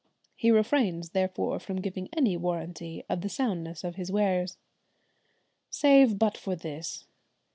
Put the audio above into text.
He refrains therefore from giving any warranty of the soundness of his wares. Save but for this.